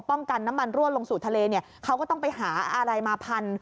น้ำมันรั่วลงสู่ทะเลเนี่ยเขาก็ต้องไปหาอะไรมาพัน